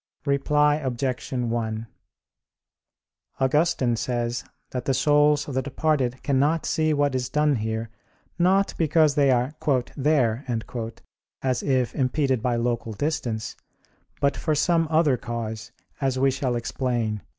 Reply Obj. 1: Augustine says that the souls of the departed cannot see what is done here, not because they are "there," as if impeded by local distance; but for some other cause, as we shall explain (A.